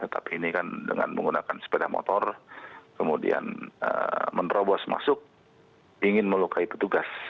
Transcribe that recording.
tapi ini kan dengan menggunakan sepeda motor kemudian menerobos masuk ingin melukai petugas